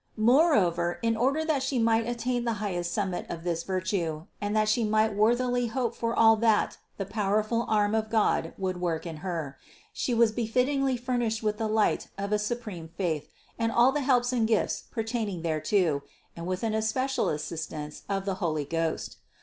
Moreover in order that She might attain the highest summit of this virtue, and that She might worthily hope for all that the powerful arm of God would work in Her, She was befittingly furnished with the light of a supreme faith and all the helps and gifts pertaining thereto, and with an especial assistance of the Holy Ghost.